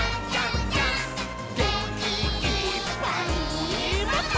「げんきいっぱいもっと」